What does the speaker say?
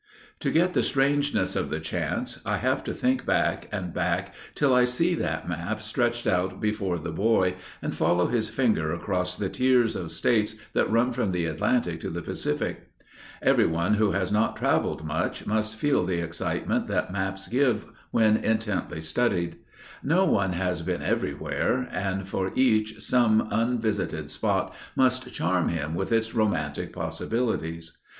To get the strangeness of the chance I have to think back and back till I see that map stretched out before the boy, and follow his finger across the tiers of States that run from the Atlantic to the Pacific. Everyone who has not travelled much must feel the excitement that maps give when intently studied. No one has been everywhere, and for each some unvisited spot must charm him with its romantic possibilities.